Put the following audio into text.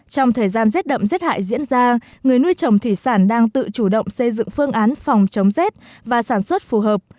trong thời gian rét đậm rét hại diễn ra người nuôi trồng thủy sản đang tự chủ động xây dựng phương án phòng chống rét và sản xuất phù hợp